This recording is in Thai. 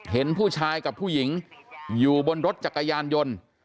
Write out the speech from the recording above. เห็นผู้ชายกับผู้หญิงอยู่บนรถจักรยานยนต์